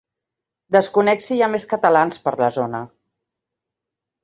Desconec si hi ha més catalans per la zona.